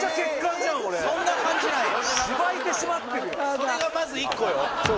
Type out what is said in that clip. それがまず１個よ